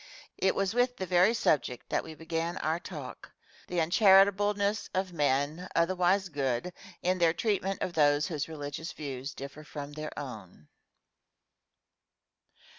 It was with the very subject that we began our talk the uncharitableness of men, otherwise good, in their treatment of those whose religious views differ from their own.